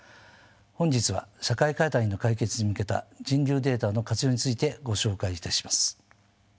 本日は社会課題の解決に向けた人流データの活用についてご紹介いたします。